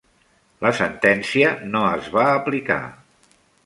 La sentència no es va aplicar.